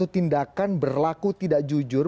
tindakan berlaku tidak jujur